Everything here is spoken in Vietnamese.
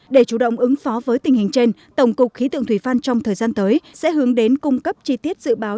để chủ động ứng phó với tình hình trên tổng cục khí tượng thủy văn trong thời gian tới sẽ hướng đến cung cấp chi tiết dự báo